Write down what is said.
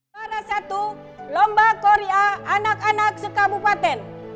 pada satu lomba korea anak anak sekabupaten